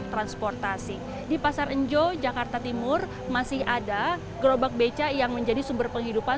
transportasi di pasar enjo jakarta timur masih ada gerobak beca yang menjadi sumber penghidupan